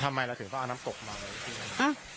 ถ้ามายละถึงว่าน้ำตกมาหรอ